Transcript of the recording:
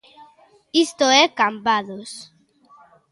Isto é Cambados.